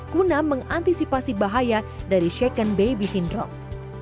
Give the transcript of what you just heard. guna mengantisipasi bahaya dari second baby syndrome